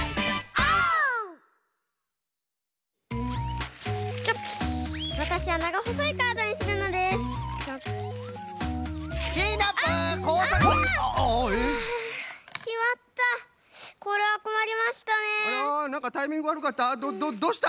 あなんかタイミングわるかった？